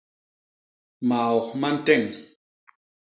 Maok ma nteñ.